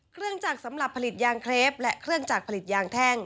เครื่องจักรสำหรับผลิตยางเคลปและเครื่องจักรผลิตยางแท่ง